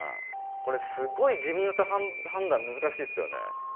これすっごい自分だと判断難しいっすよね。